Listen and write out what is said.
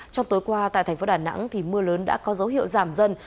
trong tối qua tại thành phố đà nẵng mưa lớn đã có dấu hiệu giảm dần